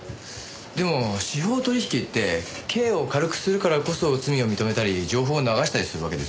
でも司法取引って刑を軽くするからこそ罪を認めたり情報を流したりするわけですよね？